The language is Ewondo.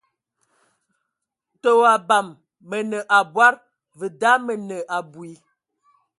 Tə o abam Mə nə abɔd, və da mə nə abui.